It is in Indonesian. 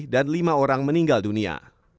dan lima orang meninggal dunia